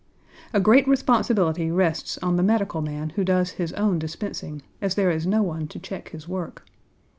A great responsibility rests on the medical man who does his own dispensing, as there is no one to check his work.